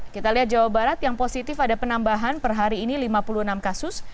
kita lihat jawa barat yang positif ada penambahan per hari ini lima puluh enam kasus